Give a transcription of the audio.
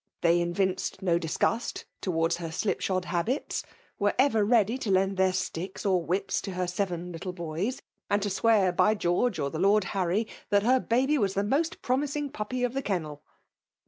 They evinced no disgpist towards her slipshod habits ;— were ever ready to lend their sticks or whips to her seven little boys« and to swear by George or the Lord Harrys that her baby was the most prumising pnupy of the Icennel